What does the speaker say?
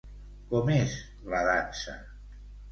Com és la dansa?